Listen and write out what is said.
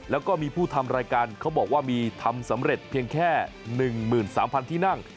แล้วก็มีผู้ทำรายการเขาบอกว่ามีทำสำเร็จเพียงแค่๑๓๐๐ที่นั่ง